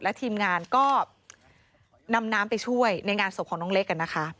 ทีมงานก็นำน้ำไปช่วยในงานศพของน้องเล็ก